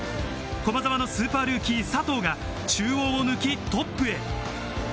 駒澤のスーパールーキー・佐藤が中央を抜きトップへ。